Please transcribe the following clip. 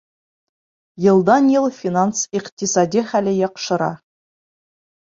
Йылдан-йыл финанс-иҡтисади хәле яҡшыра.